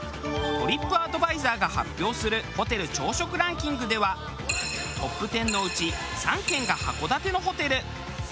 トリップアドバイザーが発表するホテル朝食ランキングではトップテンのうち３軒が函館のホテル。